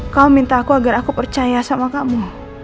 kau minta aku agar aku percaya sama kamu